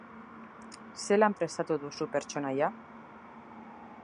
Zelan prestatu duzu pertsonaia?